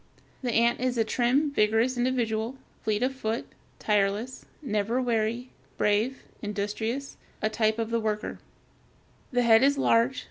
The ant is a trim, vigorous individual, fleet of foot, tireless, never weary, brave, industrious, a type of the worker. The head is large.